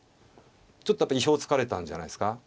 ちょっとやっぱり意表をつかれたんじゃないですか。